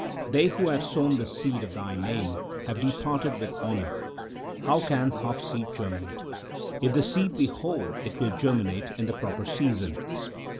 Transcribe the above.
They who have sown the seed of the Name have departed with honour ; how can half seed germinate ? If the seed be whole, it will germinate in the proper season.